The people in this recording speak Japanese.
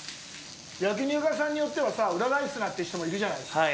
焼き肉屋さんによってはさ、裏返すなって人もいるじゃないですか。